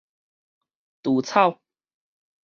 除草